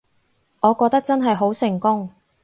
我覺得真係好成功